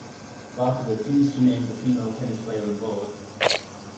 Barker refused to name the female tennis player involved.